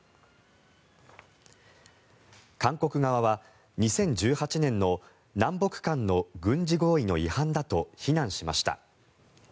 韓国側は２０１８年の南北間の軍事合意の違反だと非難しました。